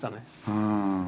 うん。